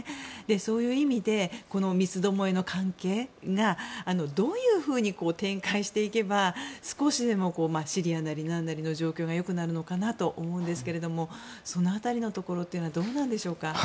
そういう意味でこの三つどもえの関係がどういうふうに展開していけば少しでもシリアなり何なりの状況が良くなるのかなと思うんですけれどもその辺りのところはどうなんでしょうか。